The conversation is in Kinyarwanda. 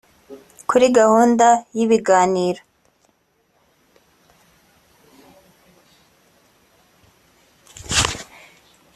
Kuri gahunda y’ibiganiro